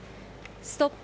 ストップ！